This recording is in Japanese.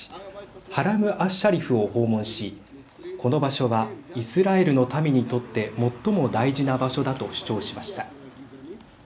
ハラム・アッシャリフを訪問しこの場所はイスラエルの民にとって最も大事な場所だと主張しました。